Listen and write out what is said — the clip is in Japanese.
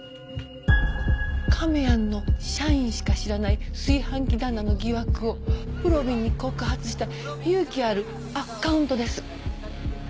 亀やんの社員しか知らない炊飯器旦那の疑惑をぷろびんに告発した勇気あるアカウントです。